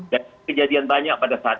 dan kejadian banyak pada saat